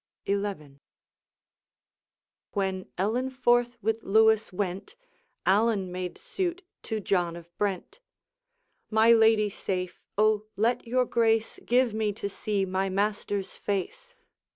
XI. When Ellen forth with Lewis went, Allan made suit to John of Brent: 'My lady safe, O let your grace Give me to see my master's face!